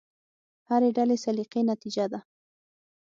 هرې ډلې سلیقې نتیجه ده.